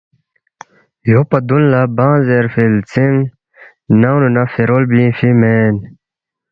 یو پا دون لا بانگ زیرفی لزینگ ننگنو نہ فیرول بیونگفی مین۔